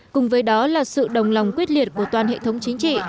cùng với đó là sự đồng lòng quyết liệt của toàn hệ thống chính trị